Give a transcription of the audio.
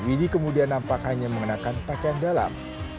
widi kemudian nampak hanya mengenakan pakaian dalam